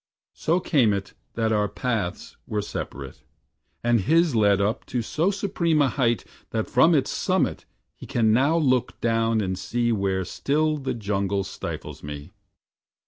So came it that our paths were separate, And his led up to so supreme a height That from its summit he can now look down And see where still the jungle stifles me.